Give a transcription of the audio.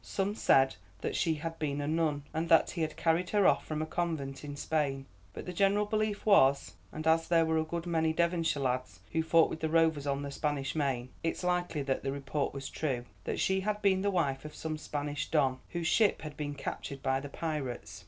Some said that she had been a nun, and that he had carried her off from a convent in Spain, but the general belief was and as there were a good many Devonshire lads who fought with the rovers on the Spanish Main, it's likely that the report was true that she had been the wife of some Spanish Don, whose ship had been captured by the pirates.